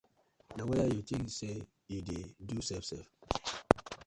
Na were yu tins sey yu dey do sef sef.